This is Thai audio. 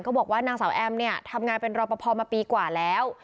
บอกว่านางสาวแอมเนี่ยทำงานเป็นรอปภมาปีกว่าแล้ว